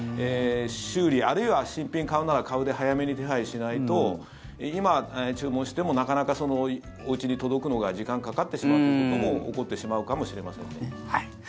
修理あるいは新品買うなら買うで早めに手配しないと今、注文してもなかなかおうちに届くのが時間かかってしまうということも起こってしまうかもしれません。